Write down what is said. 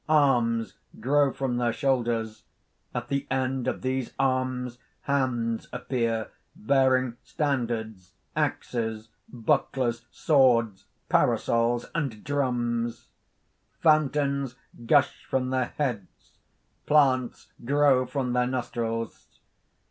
Arms grow from their shoulders; at the end of these arms hands appear bearing standards, axes, bucklers, swords, parasols and drums. Fountains gush from their heads, plants grow from their nostrils.